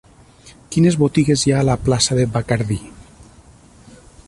Quines botigues hi ha a la plaça de Bacardí?